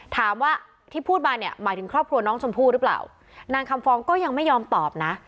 ถามว่าที่พูดมาเนี่ยหมายถึงครอบครัวน้องชมพู่หรือเปล่านางคำฟองก็ยังไม่ยอมตอบนะ